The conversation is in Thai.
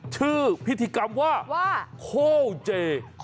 ชื่อพิธีกรรมว่าโคเจ